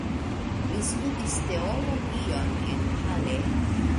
Li studis teologion en Halle.